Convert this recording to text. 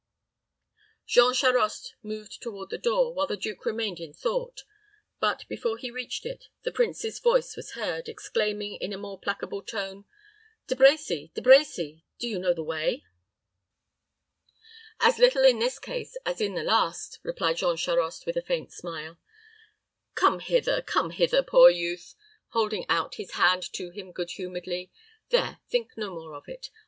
Jean Charost moved toward the door, while the duke remained in thought; but, before he reached it, the prince's voice was heard, exclaiming, in a more placable tone, "De Brecy, De Brecy, do you know the way?" "As little in this case as in the last," replied Jean Charost, with a faint smile. "Come hither, come hither, poor youth," cried the duke, holding out his hand to him good humoredly. "There; think no more of it.